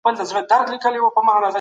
زده کوونکي باید د تاریخ په ارزښت پوه سي.